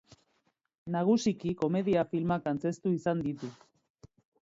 Nagusiki komedia filmak antzeztu izan ditu.